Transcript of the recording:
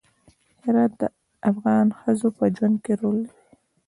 هرات د افغان ښځو په ژوند کې رول لري.